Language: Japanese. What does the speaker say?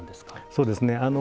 そうですね。